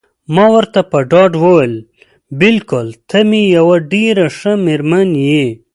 ما ورته په ډاډ وویل: بلکل ته مې یوه ډېره ښه میرمن یې.